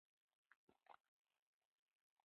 د تناره کوټې ته دې بوځم